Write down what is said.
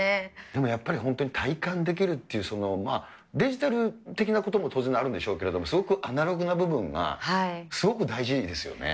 でもやっぱり、本当に体感できるっていう、デジタル的なことも当然あるんでしょうけれども、すごくアナログな部分が、すごく大事ですよね。